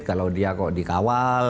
kalau dia kok dikawal